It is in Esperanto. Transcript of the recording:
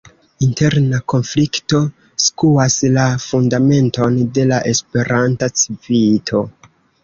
Interna konflikto skuas la fundamenton de la Esperanta Civito.